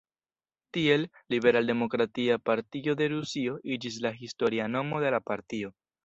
Tiel, "liberal-demokratia partio de Rusio" iĝis la historia nomo de la partio.